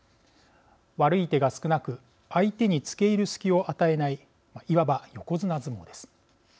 悪い手が少なく相手につけ入る隙を与えないいわば横綱相撲です。